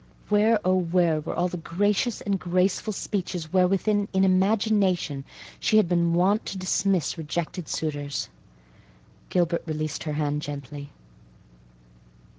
Where, oh, where were all the gracious and graceful speeches wherewith, in imagination, she had been wont to dismiss rejected suitors? Gilbert released her hand gently.